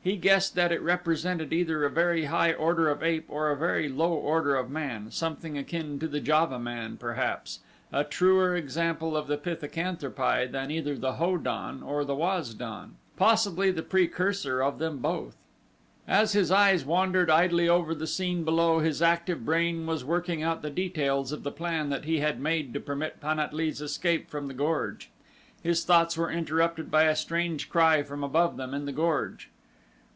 He guessed that it represented either a very high order of ape or a very low order of man something akin to the Java man, perhaps; a truer example of the pithecanthropi than either the Ho don or the Waz don; possibly the precursor of them both. As his eyes wandered idly over the scene below his active brain was working out the details of the plan that he had made to permit Pan at lee's escape from the gorge. His thoughts were interrupted by a strange cry from above them in the gorge.